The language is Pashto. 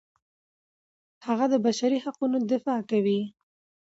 هغه د بشري حقونو دفاع کوي.